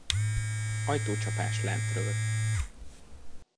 Ajtócsapás lentről.